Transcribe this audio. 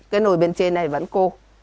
cái nồi bên trên này vẫn cô